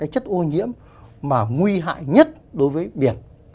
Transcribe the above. chất ô nhiễm mà nguy hại nhất đối với biển